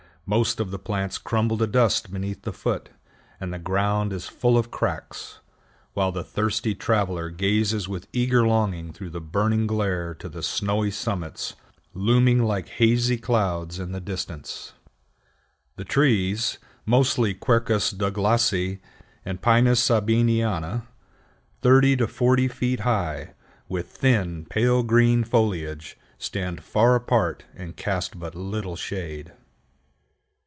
Most of the plants crumble to dust beneath the foot, and the ground is full of cracks; while the thirsty traveler gazes with eager longing through the burning glare to the snowy summits looming like hazy clouds in the distance. The trees, mostly Quercus Douglasii and Pinus Sabiniana, thirty to forty feet high, with thin, pale green foliage, stand far apart and cast but little shade.